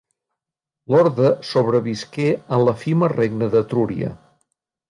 L'orde sobrevisqué en l'efímer Regne d'Etrúria.